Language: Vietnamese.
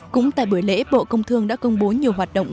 cũng tại buổi lễ bộ công thương đã công bố nhiều hoạt động